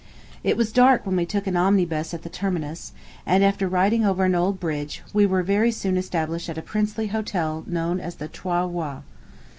It was dark when we took an omnibus at the terminus; and, after riding over an old bridge, we were very soon established at a princely hotel known as the Trois Rois.